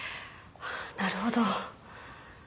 なるほど。